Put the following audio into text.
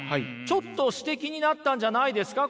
ちょっと詩的になったんじゃないですか？